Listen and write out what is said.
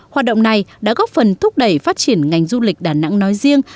hoạt động này đã góp phần thúc đẩy phát triển ngành du lịch đà nẵng nói riêng